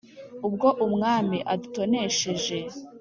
«ubwo umwami adutonesheje,